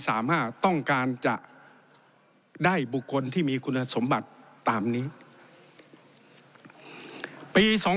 ต้องการจะได้บุคคลที่มีคุณสมบัติตามนี้ปี๒๕๖